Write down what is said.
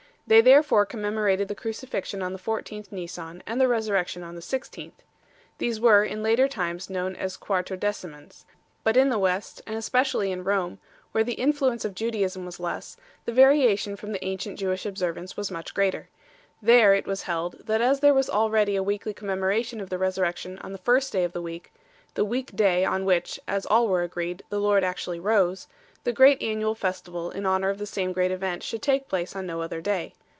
They therefore commemorated the Crucifixion on the 14th Nisan, and the Resurrection on the 16th 1 . These were in later times known as Quartodecimans. But in the West, and especially in Rome, where the influence of Judaism was less, the variation from the ancient Jewish observance was much greater. There it was held, that as there was already a weekly commemoration of the Resur rection on the first day of the week the week day on which, as all were agreed, the Lord actually rose the great annual festival in honour of the same great event should take place on no other day.